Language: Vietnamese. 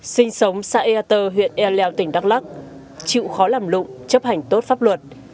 sinh sống xã eater huyện e lèo tỉnh đắk lắc chịu khó làm lụng chấp hành tốt pháp luật